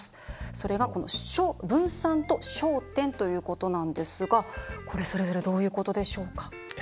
それが「分散」と「焦点」ということなんですがこれ、それぞれどういうことでしょうか。